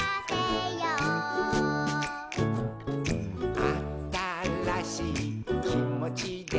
「あたらしいきもちで」